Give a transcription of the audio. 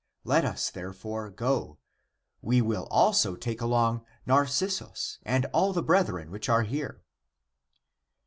Let us therefore go; we will also take along Narcissus and all the brethren which are here."